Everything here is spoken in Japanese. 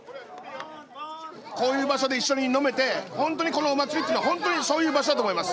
こういう場所で一緒に飲めて本当にこのお祭りっていうのは本当にそういう場所だと思います。